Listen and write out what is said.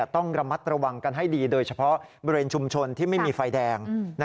ต้องระมัดระวังกันให้ดีโดยเฉพาะบริเวณชุมชนที่ไม่มีไฟแดง